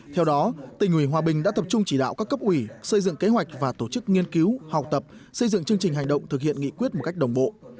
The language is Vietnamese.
theo đó tỉnh ủy hòa bình đã tập trung chỉ đạo các cấp ủy xây dựng kế hoạch và tổ chức nghiên cứu học tập xây dựng chương trình hành động thực hiện nghị quyết một cách đồng bộ